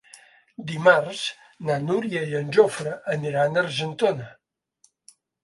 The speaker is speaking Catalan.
Dimarts na Núria i en Jofre aniran a Argentona.